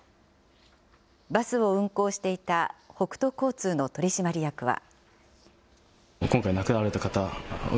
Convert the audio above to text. バスを運行していた北都交通の取締役は。